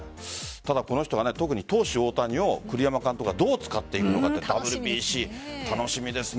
ただ、この人は特に投手・大谷を栗山監督がどう使っていくのかってＷＢＣ楽しみですね。